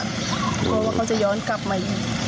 เพราะว่าเขาจะย้อนกลับมาอีก